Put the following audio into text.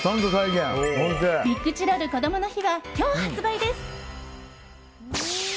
ビッグチロルこどもの日は今日発売です。